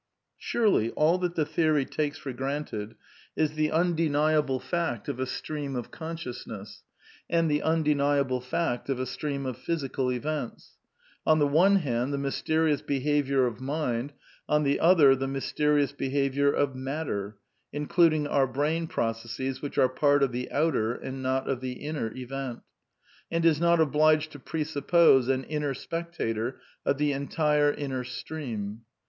Surely all that the theory takes for granted is the un SOME QUESTIONS OF PSYCHOLOGY Y9 deniable fact of a stream of consciousness, and the unde niable fact of a stream of physical events ; on the one hand, the mysterious behaviour of mind, on the other the mys terious behaviour of matter, including our brain processes (which are part of the outer and not of the inner event), and is not obliged to presuppose an inner spectator of the entire inner stream.